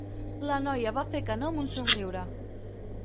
La noia va fer que no amb un somriure.